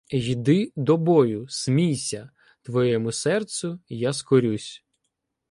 Йди до бою, смійся! Твоєму серцю я скорюсь.